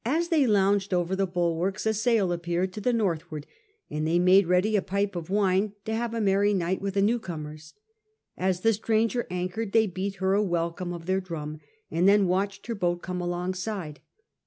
VI SACK OF VALPARAISO 79 As tbey lounged over the bulwarks a sail appeared to the northward, and they made ready a pipe of wine to have a merry night with the new comers. As the stranger anchored they beat her a welcome of their drum, and then watched her boat come alongside.